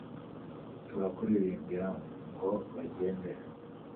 turakuririmbira, ngo bagende